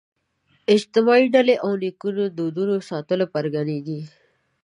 اجتماعي ډلې او نیکونو دودونو ساتلو پرګنې دي